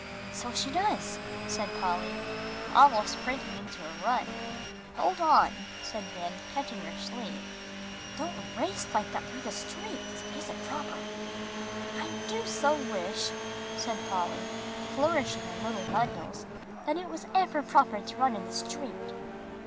"So she does," said Polly, almost breaking into a run. "Hold on," said Ben, catching her sleeve, "don't race like that through the streets; it isn't proper." "I do so wish," said Polly, flourishing her little bundles, "that it was ever proper to run in the street."